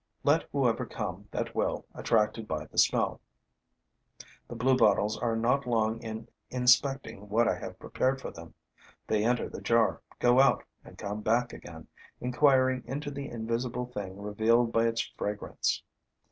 Let whoever come that will, attracted by the smell. The Bluebottles are not long in inspecting what I have prepared for them: they enter the jar, go out and come back again, inquiring into the invisible thing revealed by its fragrance.